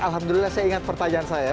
alhamdulillah saya ingat pertanyaan saya